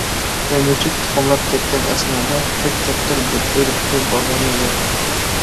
ئۆمۈچۈك تۇخۇملاپ كەتكەن ئەسنادا، كۆك كەپتەر ئۆلۈپتۇ باغرىنى يېرىپ.